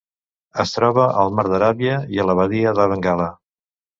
Es troba al Mar d'Aràbia i a la Badia de Bengala.